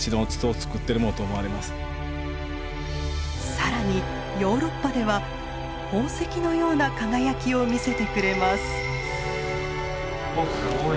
更にヨーロッパでは宝石のような輝きを見せてくれます。